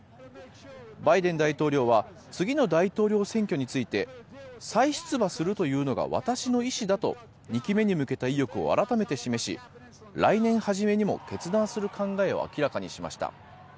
バイデン大統領は次の大統領選挙について再出馬するというのが私の意思だと２期目に向けた意欲を改めて示し来年初めにも決断する考えを明らかにしました。